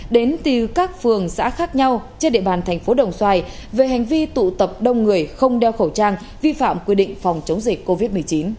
đến từ các phường xã khác nhau trên địa bàn thành phố đồng xoài về hành vi tụ tập đông người không đeo khẩu trang vi phạm quy định phòng chống dịch covid một mươi chín